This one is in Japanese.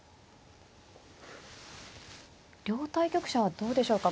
両対局者はどうでしょうか？